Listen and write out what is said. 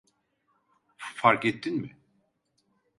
Farkettin mi?